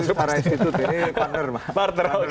ini partner partner yang baik